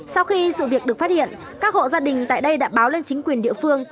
sau khi sự việc được phát hiện các hộ gia đình tại đây đã báo lên chính quyền địa phương